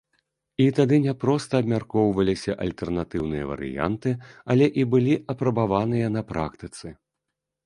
І тады не проста абмяркоўваліся альтэрнатыўныя варыянты, але і былі апрабаваныя на практыцы.